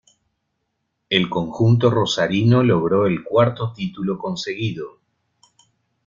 El conjunto rosarino logró el cuarto título conseguido.